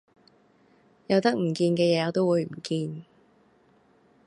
有得唔見嘅嘢我都會唔見